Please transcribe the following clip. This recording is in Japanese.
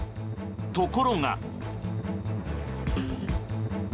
ところが。